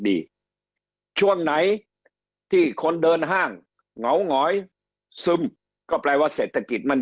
ช่วงไหนที่คนเดินห้างเหงาหงอยซึมก็แปลว่าเศรษฐกิจมัน